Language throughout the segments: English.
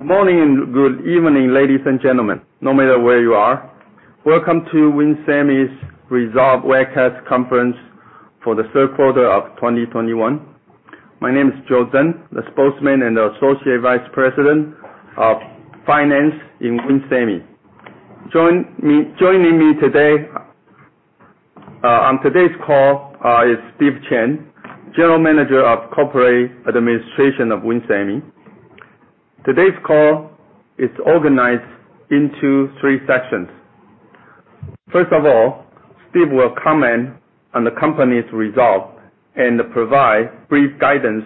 Morning, and good evening, ladies and gentlemen. No matter where you are, welcome to Win Semi's Results Webcast Conference for the Third Quarter of 2021. My name is Joe Tsen, the Spokesman and Associate Vice President of Finance in Win Semi. Joining me today on today's call is Steve Chen, General Manager of Corporate Administration of Win Semi. Today's call is organized into three sections. First of all, Steve will comment on the company's results and provide brief guidance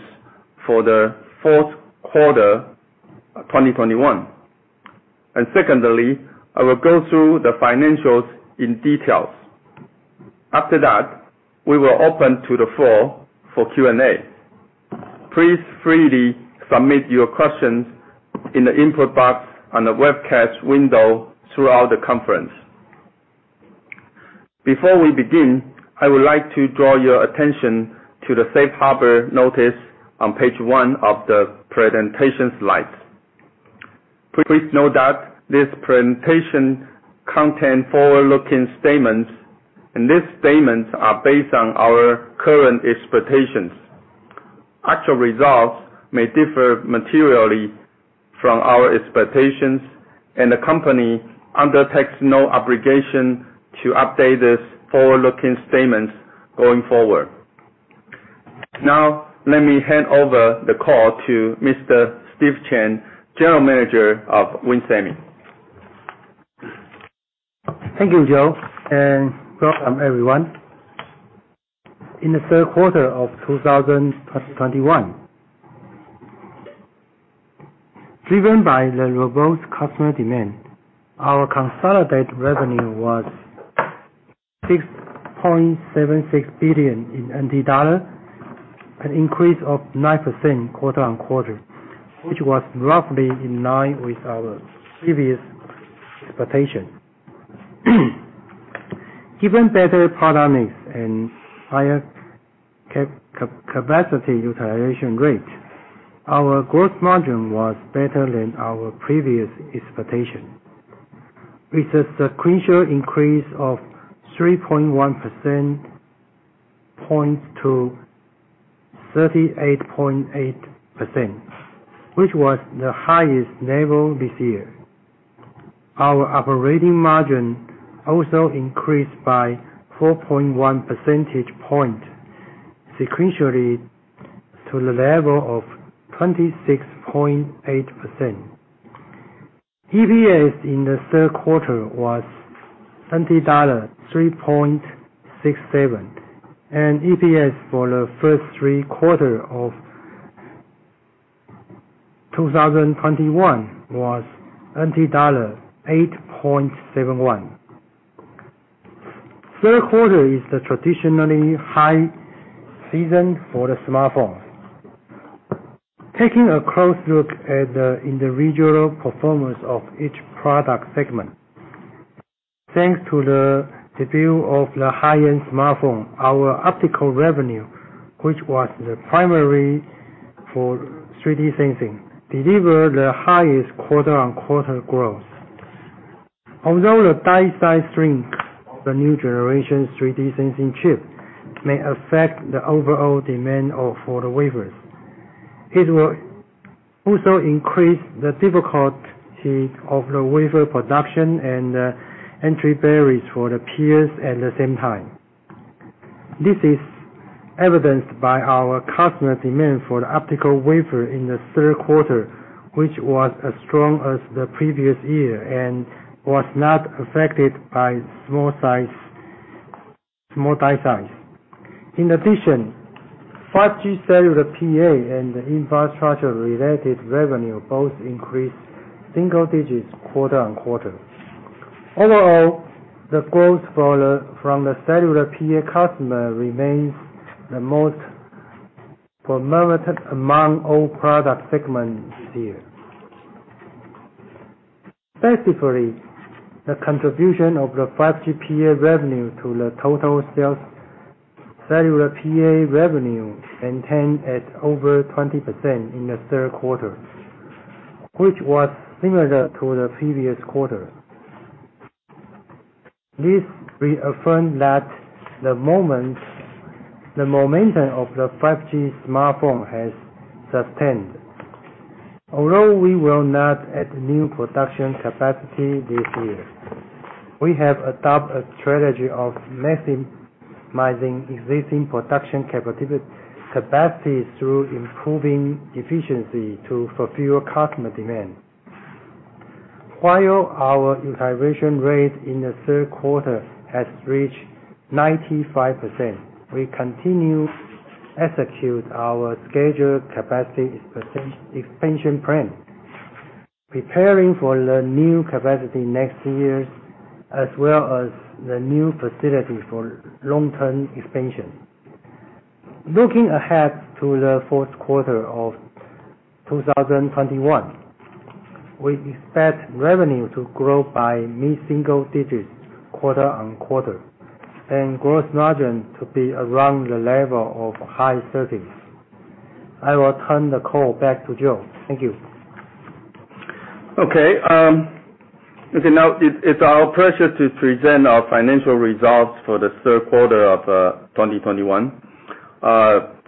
for the fourth quarter of 2021. Secondly, I will go through the financials in detail. After that, we will open to the floor for Q&A. Please freely submit your questions in the input box on the webcast window throughout the conference. Before we begin, I would like to draw your attention to the safe harbor notice on page one of the presentation slides. Please note that this presentation contains forward-looking statements, and these statements are based on our current expectations. Actual results may differ materially from our expectations, and the company undertakes no obligation to update these forward-looking statements going forward. Now, let me hand over the call to Mr. Steve Chen, General Manager of Win Semi. Thank you, Joe, and welcome everyone. In the third quarter of 2021, driven by the robust customer demand, our consolidated revenue was 6.76 billion, an increase of 9% quarter-on-quarter, which was roughly in line with our previous expectation. Given better product mix and higher capacity utilization rate, our gross margin was better than our previous expectation, with a sequential increase of 3.1 percentage points to 38.8%, which was the highest level this year. Our operating margin also increased by 4.1 percentage points sequentially to the level of 26.8%. EPS in the third quarter was 3.67, and EPS for the first three quarters of 2021 was NT dollar 8.71. Third quarter is the traditionally high season for the smartphone. Taking a close look at the individual performance of each product segment, thanks to the debut of the high-end smartphone, our optical revenue, which was primarily for 3D sensing, delivered the highest quarter-over-quarter growth. Although the die shrink of the new generation 3D sensing chip may affect the overall demand of epi wafers, it will also increase the difficulty of the wafer production and the entry barriers for the peers at the same time. This is evidenced by our customer demand for the optical wafer in the third quarter, which was as strong as the previous year and was not affected by small die size. In addition, 5G cellular PA and infrastructure-related revenue both increased single digits quarter-over-quarter. Overall, the growth from the cellular PA customer remains the most prominent among all product segments this yea. Specifically, the contribution of the 5G PA revenue to the total sales cellular PA revenue maintained at over 20% in the third quarter, which was similar to the previous quarter. This reaffirms that the momentum of the 5G smartphone has sustained. Although we will not add new production capacity this year, we have adopted a strategy of maximizing existing production capacity through improving efficiency to fulfil customer demand. While our utilization rate in the third quarter has reached 95%, we continue to execute our scheduled capacity expansion plan, preparing for the new capacity next year, as well as the new facility for long-term expansion. Looking ahead to the fourth quarter of 2021, we expect revenue to grow by mid-single digits quarter-on-quarter and gross margin to be around the level of high 30s. I will turn the call back to Joe Tsen. Thank you. Okay, now it's our pleasure to present our financial results for the third quarter of 2021.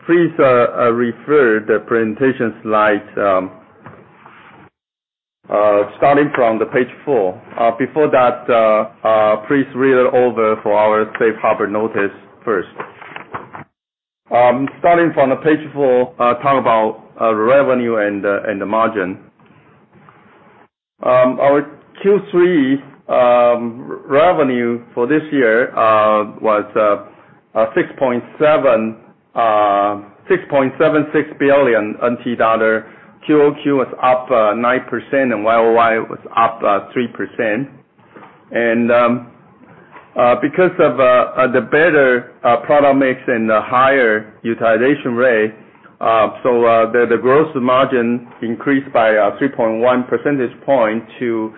Please refer to the presentation slide starting from page four. Before that, please read over our safe harbor notice first. Starting from page four, talk about revenue and the margin. Our Q3 revenue for this year was 6.76 billion NT dollar. QoQ was up 9% and YoY was up 3%. Because of the better product mix and the higher utilization rate, the gross margin increased by 3.1 percentage points to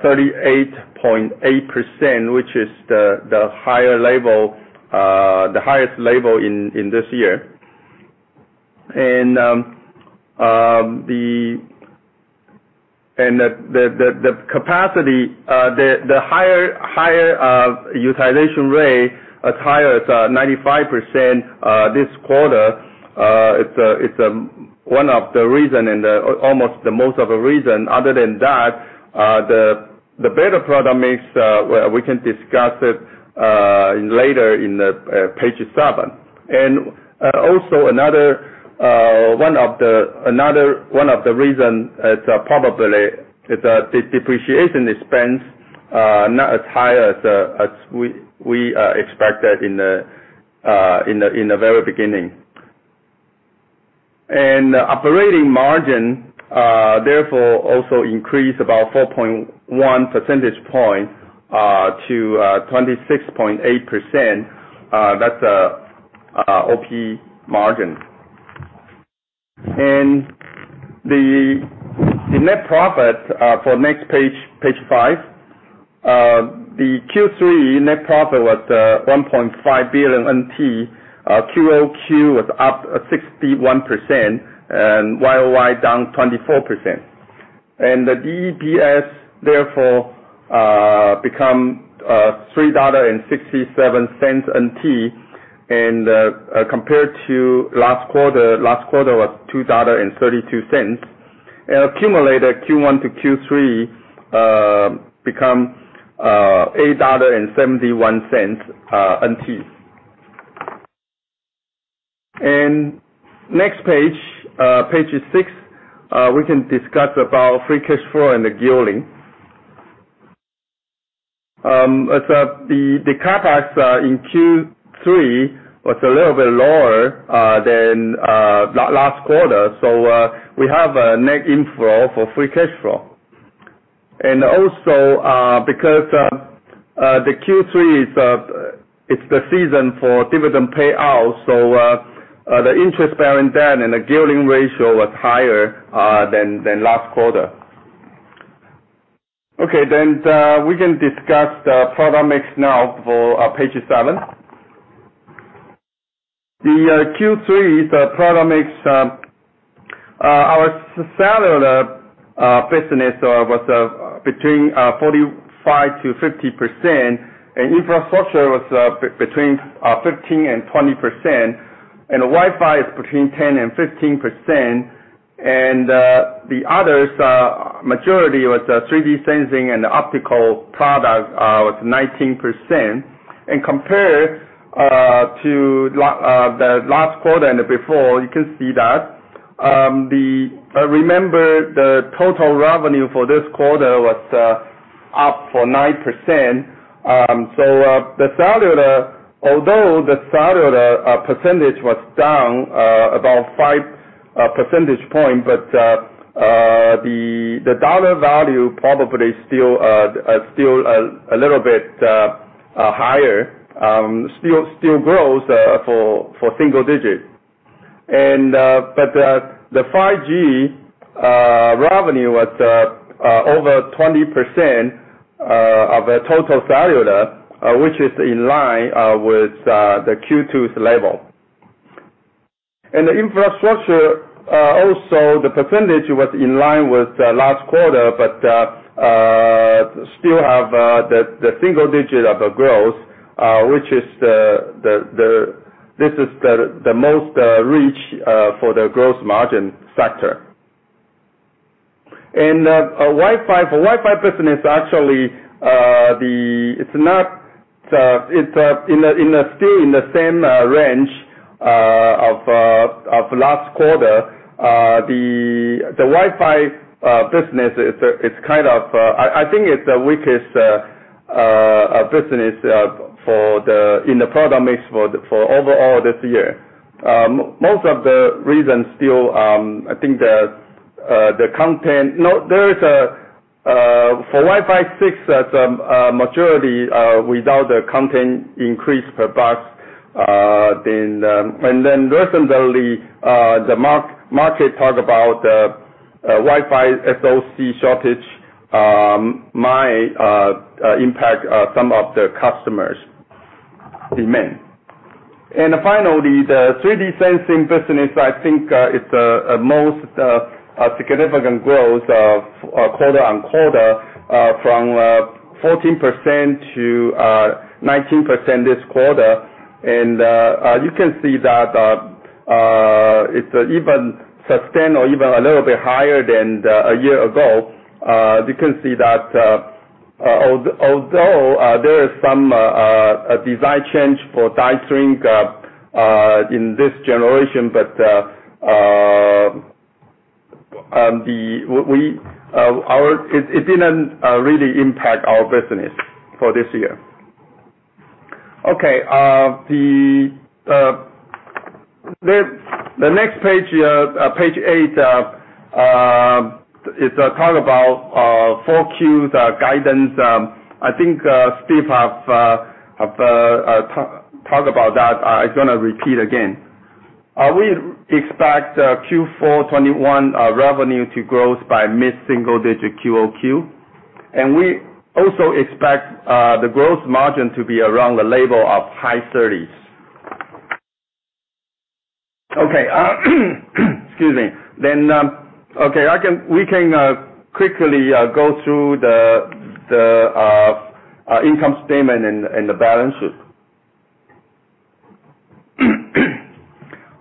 38.8%, which is the highest level in this year. The higher utilization rate as high as 95% this quarter. It's one of the reason and almost the most of the reason other than that, the better product mix. We can discuss it later in page seven. Another one of the reason is probably the depreciation expense not as high as we expected in the very beginning. Operating margin therefore also increased about 4.1 percentage points to 26.8%. That's OP margin. The net profit for next page five, the Q3 net profit was 1.5 billion NT. QoQ was up 61% and YoY down 24%. The EPS therefore become TWD 3.67. Compared to last quarter, last quarter was 2.32 dollar. Accumulated Q1 to Q3 become 8.71 dollar. Next page six, we can discuss about free cash flow and the gearing. As the CapEx in Q3 was a little bit lower than last quarter. We have a net inflow for free cash flow. Also because the Q3 is the season for dividend pay-out, the interest-bearing debt and the gearing ratio was higher than last quarter. We can discuss the product mix now for page seven. The Q3's product mix, our cellular business was between 45% to 50%, and infrastructure was between 15% and 20%, and Wi-Fi is between 10% and 15%. The others majority was 3D sensing and optical product was 19%. Compared to the last quarter and the before, you can see that. Remember, the total revenue for this quarter was up 9%. The cellular, although the cellular percentage was down about 5 percentage points, but the dollar value probably still a little bit higher, still grows for single digits but the 5G revenue was over 20% of the total cellular, which is in line with the Q2's level. The infrastructure, also the percentage was in line with last quarter, but still have the single digit of growth, which is the most reach for the gross margin factor. For Wi-Fi business, actually, it's still in the same range as last quarter. The Wi-Fi business is, it's, I think it's the weakest business in the product mix for overall this year. Most of the reasons still, I think the content. No, there is a for Wi-Fi 6 as majority without the content increase per box. Then recently, the market talk about the Wi-Fi SoC shortage might impact some of the customers' demand. Finally, the 3D sensing business, I think, is the most significant growth quarter-on-quarter from 14% to 19% this quarter. You can see that it's even sustained or even a little bit higher than a year ago. You can see that although there is some a design change for die shrink in this generation, but it didn't really impact our business for this year. Okay. The next page here, page eight, is to talk about 4Q's guidance. I think Steve has talked about that. I'm gonna repeat again. We expect Q4 2021 revenue to grow by mid-single digit QoQ. We also expect the gross margin to be around the level of high 30s. Okay. Excuse me. We can quickly go through the income statement and the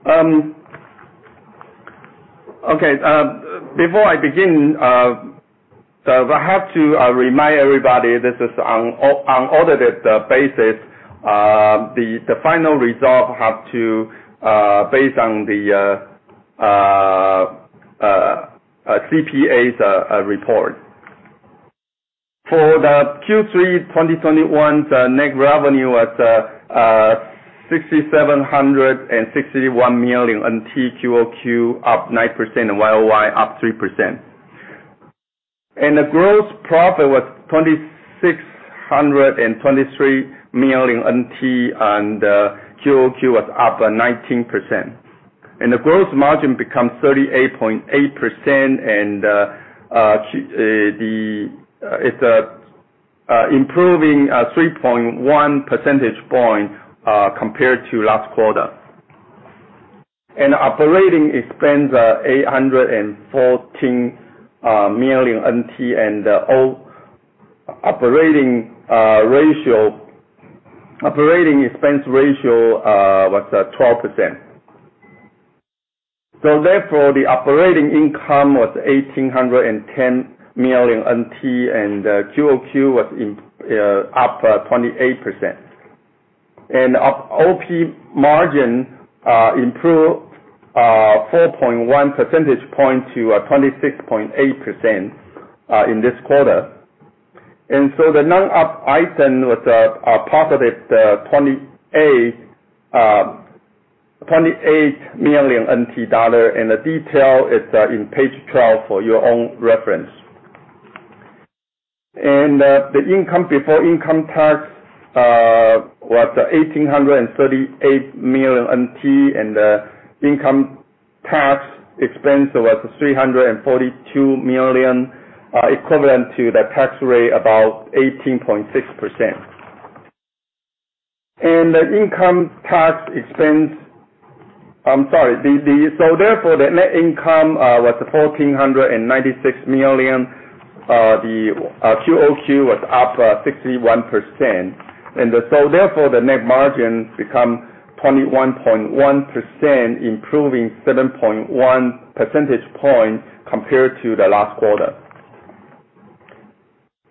balances. Before I begin, I have to remind everybody, this is on unaudited basis. The final result has to be based on the CPA's report. For Q3 2021, the net revenue was 6,761 million QoQ, up 9% and YoY up 3%. The gross profit was 2,623 million NT, and QoQ was up by 19%. The gross margin became 38.8%, improving 3.1 percentage points compared to last quarter. Operating expense was TWD 814 million, and operating expense ratio was at 12%. The operating income was 1,810 million NT, and QoQ was up 28%. OP margin improved 4.1 percentage points to 26.8% in this quarter. The non-OP item was a positive 28 million NT dollar, and the detail is in page 12 for your own reference. The income before income tax was 1,838 million NT, and the income tax expense was 342 million, equivalent to the tax rate, about 18.6%. The net income was 1,496 million. The QoQ was up 61%. The net margin become 21.1%, improving 7.1 percentage points compared to the last quarter.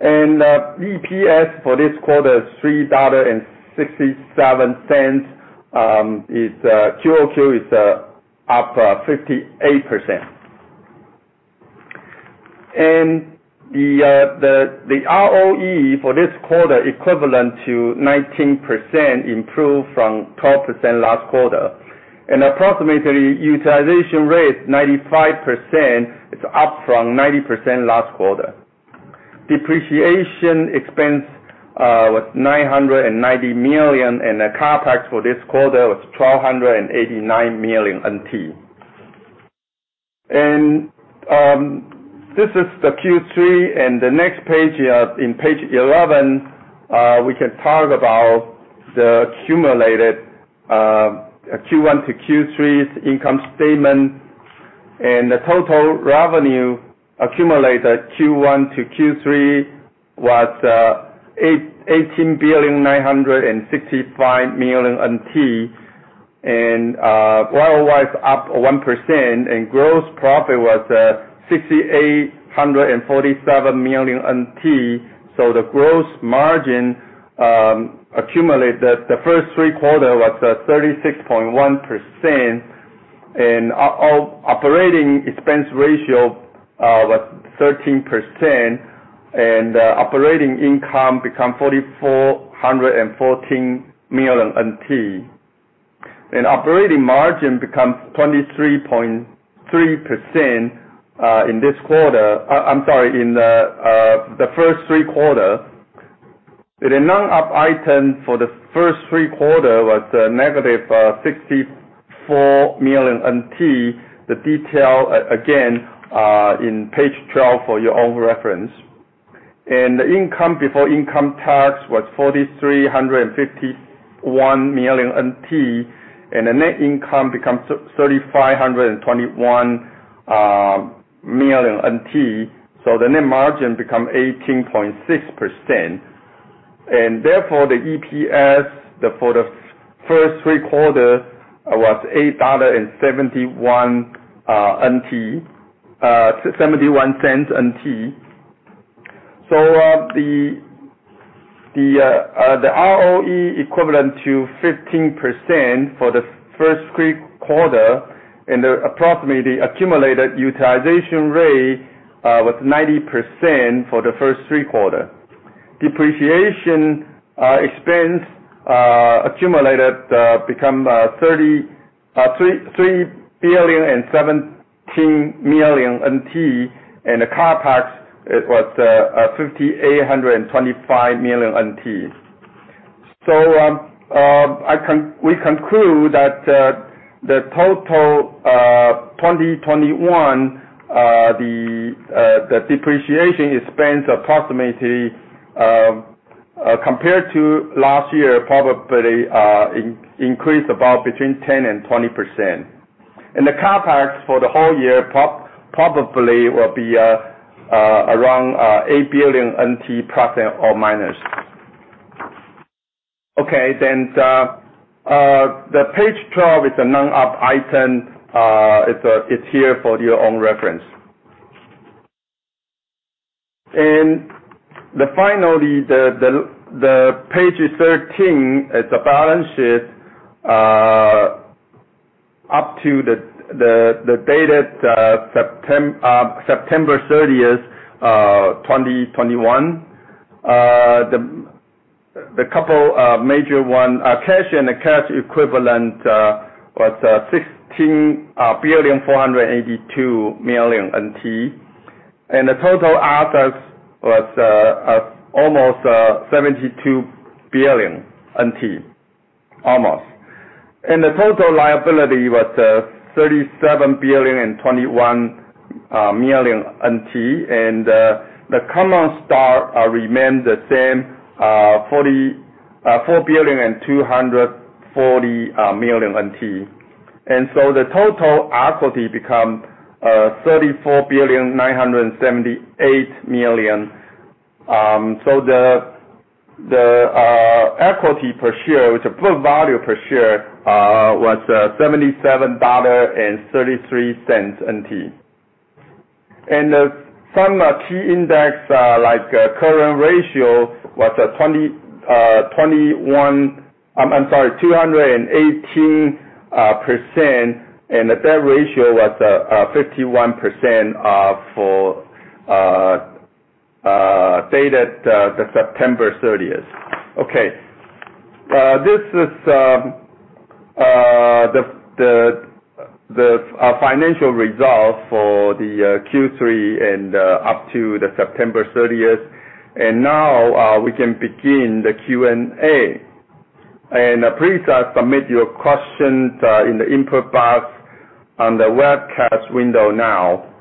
EPS for this quarter is 3.67 dollar, QoQ is up 58%. The ROE for this quarter equivalent to 19%, improved from 12% last quarter. Approximately utilization rate 95%. It's up from 90% last quarter. Depreciation expense was 990 million, and the CapEx for this quarter was 1,289 million NT. This is the Q3. The next page here, in page 11, we can talk about the accumulated Q1 to Q3's income statement. The total revenue accumulated Q1 to Q3 was TWD 18,965 million. YoY is up 1%, and gross profit was 6,847 million NT. The gross margin accumulated the first three quarter was 36.1%. Our operating expense ratio was 13%. Operating income become 4,414 million NT. Operating margin become 23.3% in this quarter. I'm sorry, in the first three quarters. The non-op item for the first three quarters was negative 64 million NT. The detail, again, in page 12 for your own reference. The income before income tax was 4,351 million NT, and the net income becomes 3,521 million NT. The net margin become 18.6%. Therefore, the EPS for the first three quarters was 8.71 dollars. The ROE equivalent to 15% for the first three quarters, and approximately accumulated utilization rate was 90% for the first three quarters. Depreciation expense accumulated become 3.017 billion, and the CapEx, it was 5.825 billion NT. We conclude that the total 2021 depreciation expense approximately compared to last year probably increased about between 10% and 20%. The CapEx for the whole year probably will be around 8 billion NT ±. The page 12 is a non-op item. It's here for your own reference. Finally, the page 13 is the balance sheet up to the date September 30th, 2021. A couple major ones, cash and cash equivalents was TWD 16,482 billion. The total assets was almost 72 billion NT, almost. The total liability was 37,021 million NT. The common stock remain the same, 4,240 million TWD. The total equity become 34,978 million TWD. The equity per share, which is book value per share, was 77.33 dollar. Some key indexes like current ratio was 218%, and the debt ratio was 51% for the September 30th. This is the financial results for the Q3 and up to the September 30th. Now we can begin the Q&A. Please submit your questions in the input box on the webcast window now.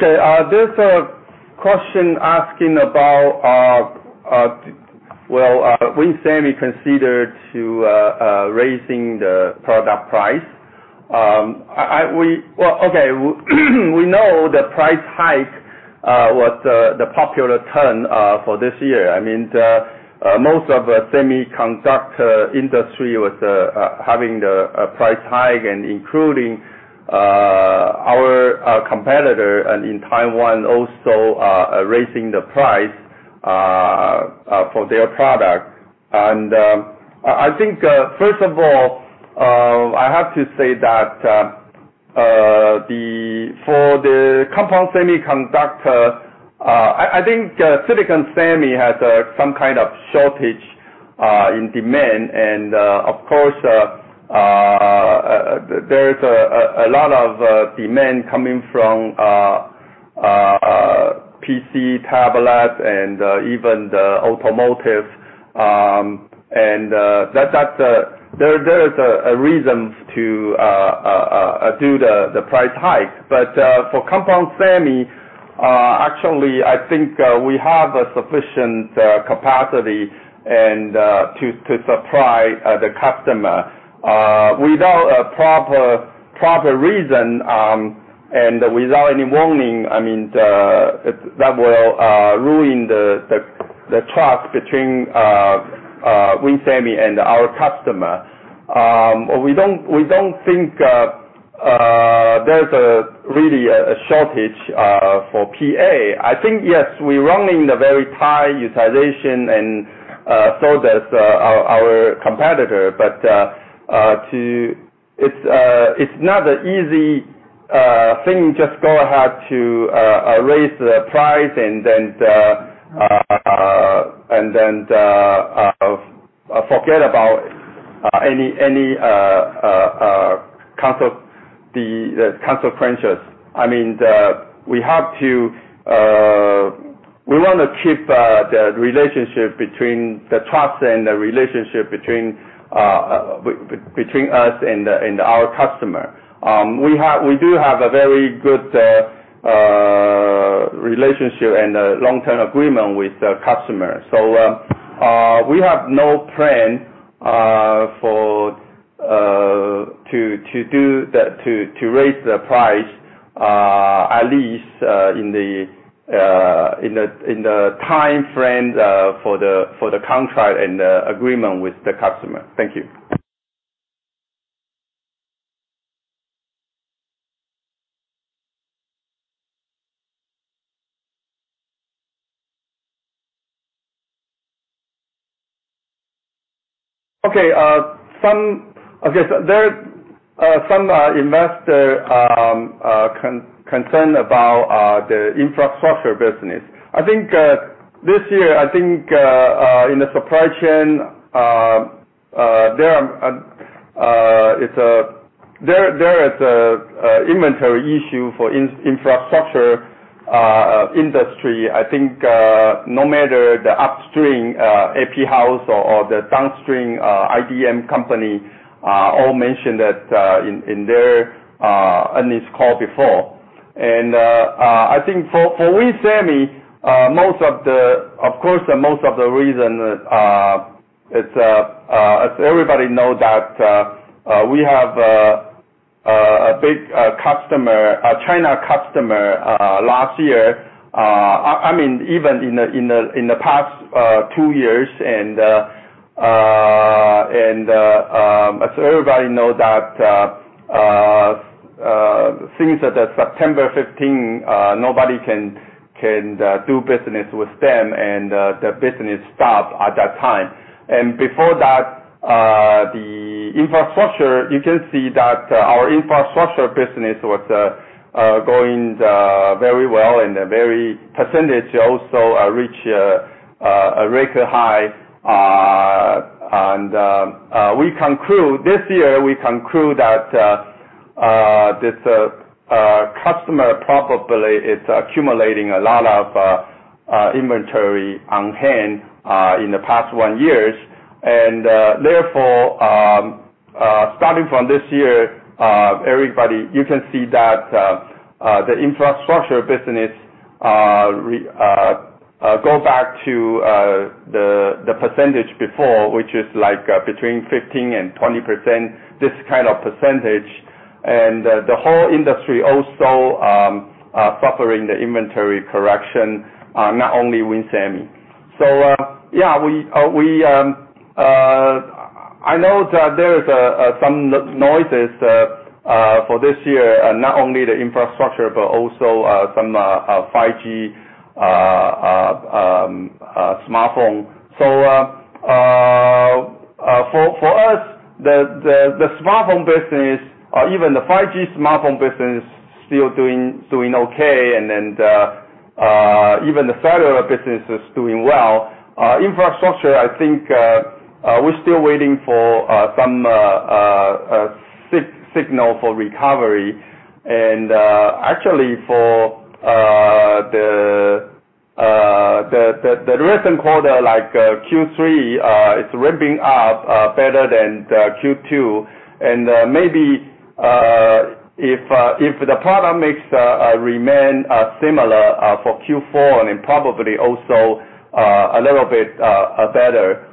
There's a question asking about well Win Semi considering raising the product price. We know the price hike was the popular term for this year. I mean, the most of the semiconductor industry was having the price hike, and including our competitors in Taiwan also raising the price for their product. I think first of all I have to say that for the Compound Semiconductor I think silicon semi has some shortage in demand. Of course, there is a lot of demand coming from PC, tablet, and even the automotive. That there is a reason to do the price hike. For Compound Semi, actually, I think we have a sufficient capacity and to supply the customer. Without a proper reason and without any warning, I mean, that will ruin the trust between Win Semi and our customer. We don't think there's really a shortage for PA. I think, yes, we're running the very high utilization and so does our competitor. It's not an easy thing to just go ahead and raise the price and then forget about any consequences. I mean, we have to keep the relationship, the trust and the relationship between us and our customer. We do have a very good relationship and a long-term agreement with the customer. We have no plan to raise the price, at least in the timeframe for the contract and the agreement with the customer. Thank you. Okay. There's some investor concern about the infrastructure business. I think this year I think in the supply chain there is an inventory issue for infrastructure industry. I think no matter the upstream AP house or the downstream IDM company all mentioned that in their earnings call before. I think for Win Semi most of the reason is, of course, as everybody know that we have a big customer, a China customer, last year. I mean even in the past two years and as everybody know that since the September 15th nobody can do business with them and the business stopped at that time. Before that, the infrastructure, you can see that our infrastructure business was going very well and the very percentage also reached a record high. This year, we conclude that this customer probably is accumulating a lot of inventory on hand in the past one years. Therefore, starting from this year, everybody, you can see that the infrastructure business go back to the percentage before, which is like between 15% and 20%, this percentage. The whole industry also suffering the inventory correction not only Win Semi. Yeah, I know that there is some noise for this year, not only the infrastructure, but also some 5G smartphone. For us, the smartphone business or even the 5G smartphone business still doing okay, and then even the cellular business is doing well. Infrastructure, I think, we're still waiting for some signal for recovery. Actually, for the recent quarter, like Q3, it's ramping up better than the Q2. Maybe, if the product mix remain similar for Q4 and then probably also a little bit better.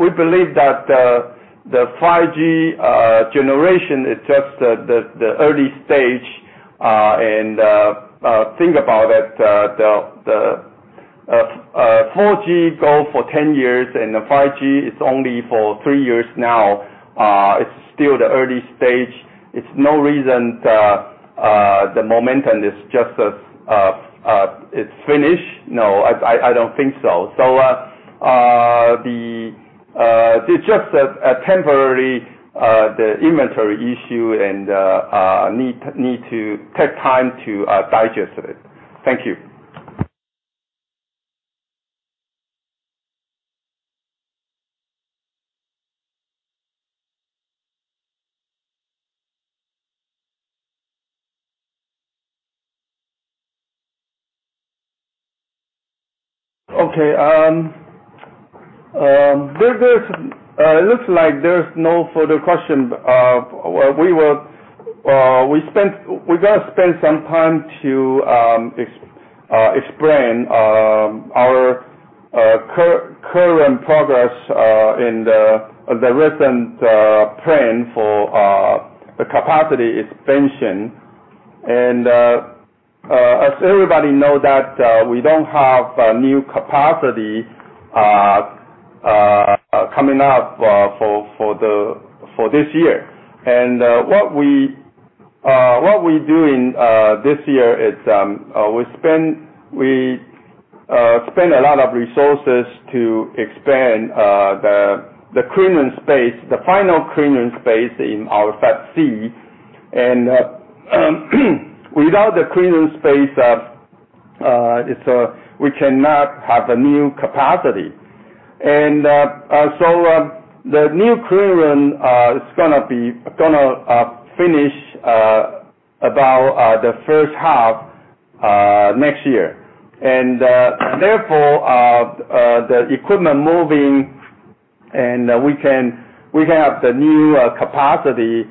We believe that the 5G generation is just the early stage, and think about it, the 4G went for 10 years and the 5G is only for three years now. It's still the early stage. There's no reason the momentum is just finished. No, I don't think so. It's just a temporary inventory issue and need to take time to digest it. Thank you. Okay, it looks like there's no further question. We're gonna spend some time to explain our current progress in the recent plan for the capacity expansion. As everybody know that we don't have new capacity coming up for this year. What we doing this year is we spend a lot of resources to expand the clean room space, the final clean room space in our Fab C. Without the clean room space, it's we cannot have a new capacity. The new clean room is gonna finish about the first half next year. Therefore, the equipment moving and we have the new capacity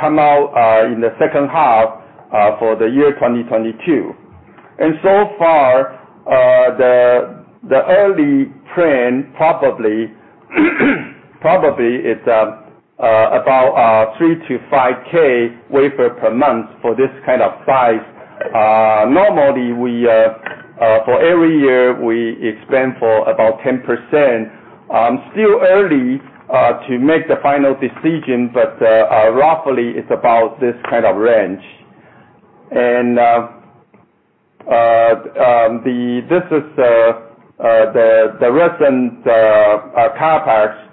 come out in the second half for the year 2022. So far, the early trend probably it's about 3k to 5K wafer per month for this size. Normally we for every year we expand for about 10%. Still early to make the final decision, but roughly it's about this range. This is the recent CapEx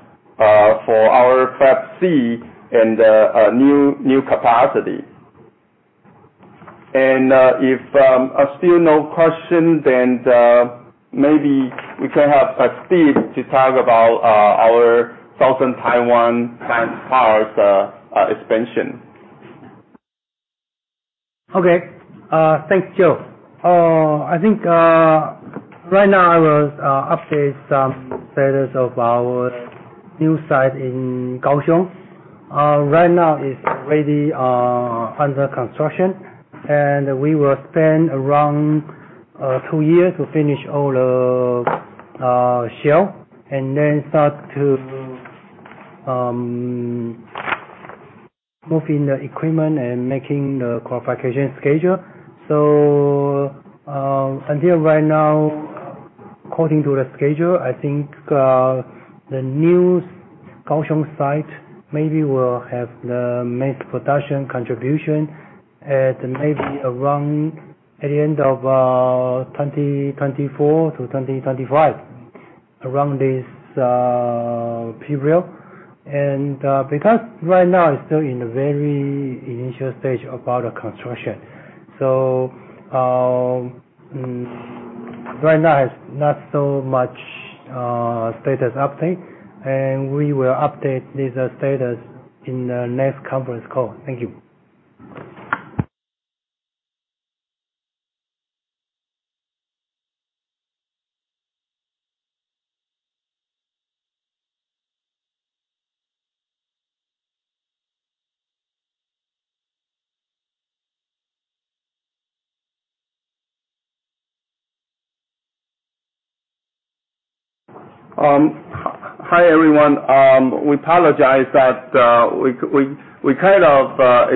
for our Fab C and a new capacity. If still no question, then maybe we can have Steve Chen to talk about our Southern Taiwan Science Park's expansion. Okay. Thanks, Joe. I think right now I will update some status of our new site in Kaohsiung. Right now it's already under construction, and we will spend around two years to finish all the shell and then start to moving the equipment and making the qualification schedule. Until right now, according to the schedule, I think the new Kaohsiung site maybe will have the mass production contribution at maybe around at the end of 2024 to 2025, around this period. Because right now it's still in the very initial stage about the construction. Right now it's not so much status update, and we will update this status in the next conference call. Thank you. Hi, everyone. We apologize that we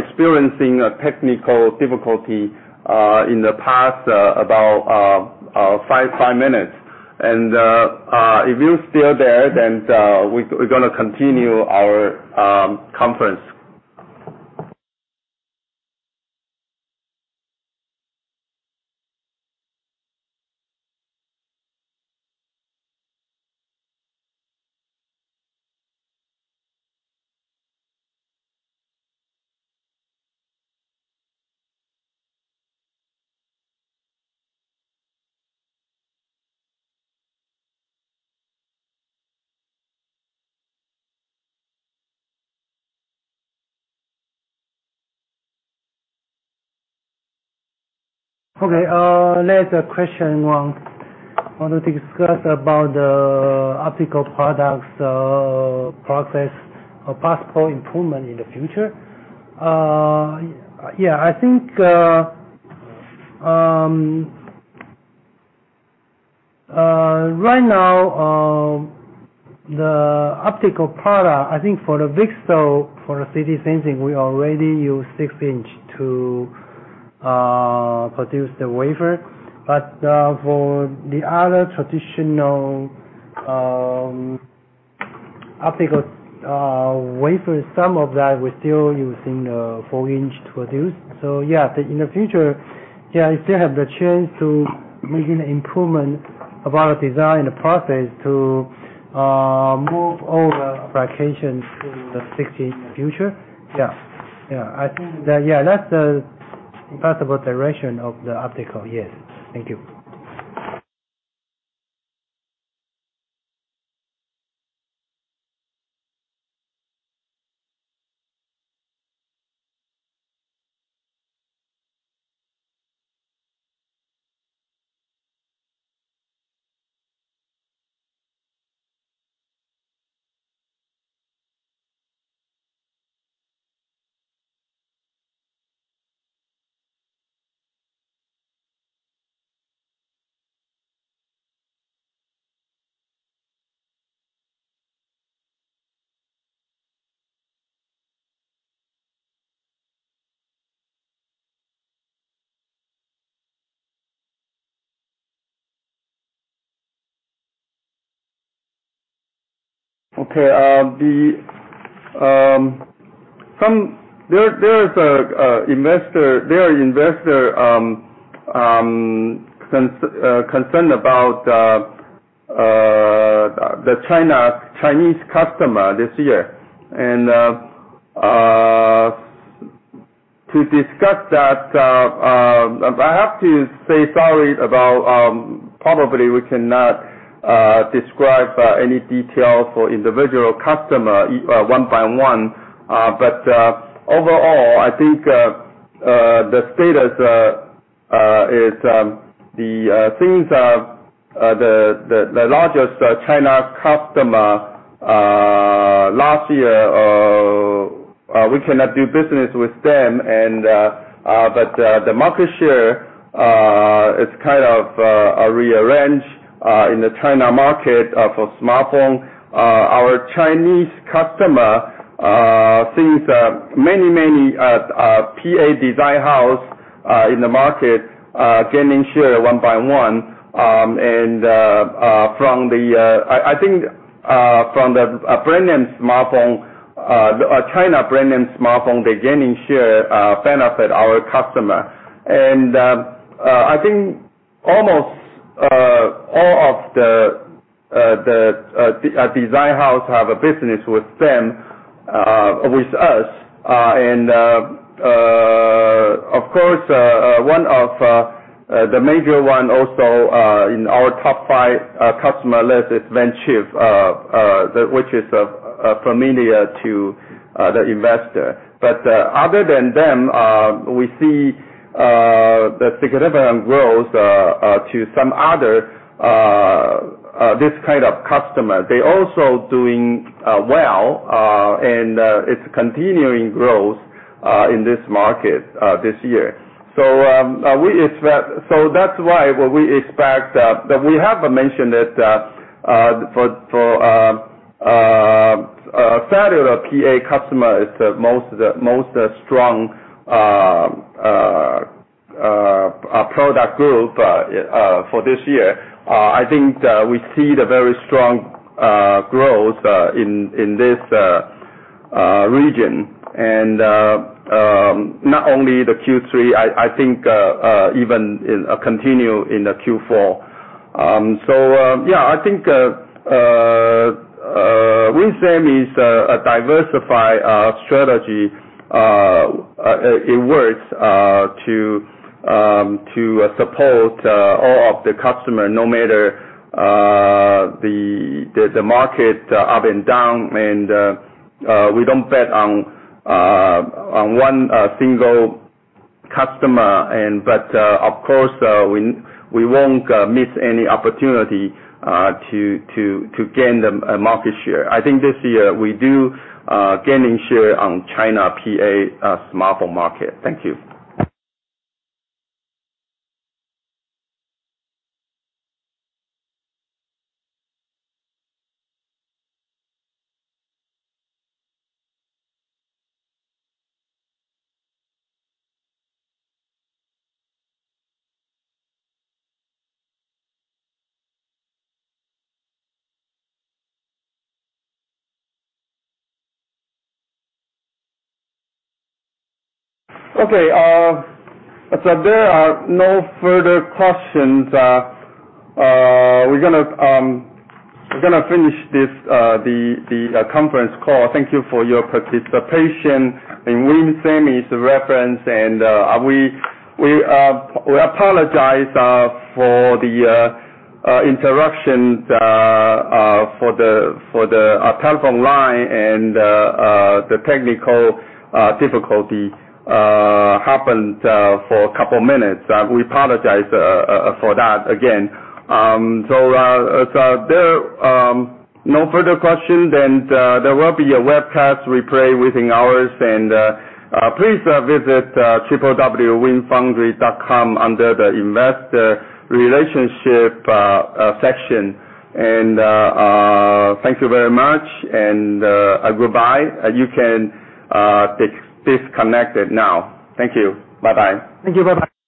experiencing a technical difficulty in the past about five minutes. If you're still there, then we gonna continue our conference. Okay. There's a question want to discuss about the optical products, process or possible improvement in the future. Yeah, I think right now the optical product, I think for the VCSEL, for the 3D sensing, we already use 6-inch to produce the wafer. For the other traditional optical wafer, some of that we're still using the 4-inch to produce. I think in the future we still have the chance to making improvement about design and the process to move all the applications to the 6-inch in the future. Yeah. I think that that's the possible direction of the optical. Yes. Thank you. Okay, there are investors concerned about the Chinese customer this year. To discuss that, I have to say sorry, but probably we cannot describe any details for individual customer one by one but overall, I think the status is the things of the largest Chinese customer last year. We cannot do business with them, but the market share is a rearrange in the China market for smartphone. Our Chinese customer, since many PA design house in the market gaining share one by one, and from the. I think from the brand name smartphone, China brand name smartphone, they're gaining share, benefit our customer. I think almost all of the design house have a business with them, with us. Of course, one of the major one also in our top five customer list is Wenshi, which is familiar to the investor. Other than them, we see the significant growth to some other this customer. They also doing well, and it's continuing growth in this market this year. We expect... That's why what we expect that we have mentioned it for cellular PA customer is the most strong product group for this year. I think we see the very strong growth in this region. Not only the Q3, I think even continuing in the Q4. Yeah. I think Win Semi's diversified strategy it works to support all of the customer no matter the market up and down. We don't bet on one single customer, but of course we won't miss any opportunity to gain the market share. I think this year we're gaining share in China PA smartphone market. Thank you. Okay, there are no further questions. We're gonna finish this conference call. Thank you for your participation in Win Semi's conference. We apologize for the interruption for the telephone line and the technical difficulty that happened for a couple minutes. We apologize for that again. There is no further question, then there will be a webcast replay within hours. Please visit www.winfoundry.com under the Investor Relations section. Thank you very much, and goodbye. You can disconnect now. Thank you. Bye-bye. Thank you. Bye-bye.